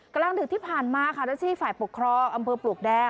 กลางดึกที่ผ่านมาค่ะเจ้าที่ฝ่ายปกครองอำเภอปลวกแดง